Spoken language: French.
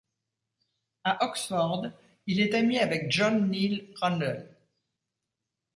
À Oxford, il est ami avec John Niel Randle.